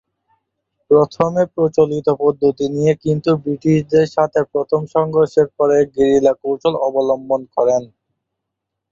প্রথমে প্রচলিত পদ্ধতি নিয়ে কিন্তু ব্রিটিশদের সাথে প্রথম সংঘর্ষের পরে গেরিলা কৌশল অবলম্বন করেন।